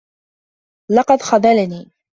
لقد خذلني.